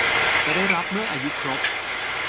จะได้รับเมื่ออายุครบ